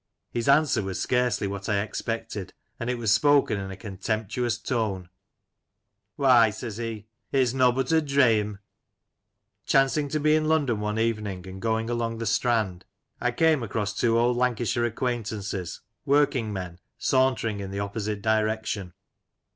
His answer was scarcely what I expected, and it was spoken in a contemptuous tone :" Why," says he, "it's nobbut a dreyam 1 " Chancing to be in London one evening, and going along the Strand, I came across two old Lancashire acquaint ances — working men — sauntering in the opposite direction.